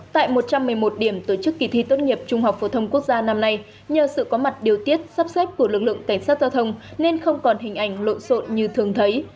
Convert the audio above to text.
tại một trăm một mươi một điểm tổ chức kỳ thi tốt nghiệp trung học phổ thông quốc gia năm nay nhờ sự có mặt điều tiết sắp xếp của lực lượng cảnh sát giao thông nên không còn hình ảnh lộn xộn như thường thấy